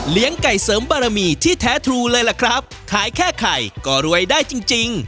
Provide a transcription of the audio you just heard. ไก่เสริมบารมีที่แท้ทรูเลยล่ะครับขายแค่ไข่ก็รวยได้จริงจริง